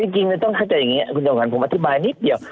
คุณจังหวังผมอธิบายนิดเดียว